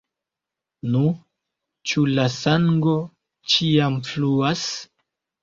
Nu, ĉu la sango ĉiam fluas?